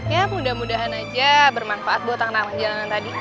ya mudah mudahan aja bermanfaat buat anak anak jalanan tadi